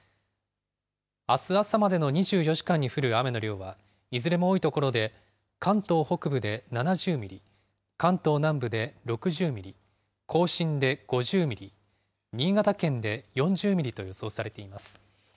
あす朝までの２４時間に降る雨の量は、いずれも多い所で、関東北部で７０ミリ、関東南部で６０ミリ、甲信で５０ミリ、新潟県で４０ミリと予想されています。